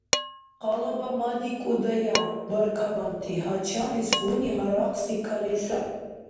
КъалабамадикӀудая, баркабанти, гьачамлис гьуни гьарахъси кали саби…